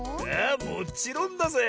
もちろんだぜ！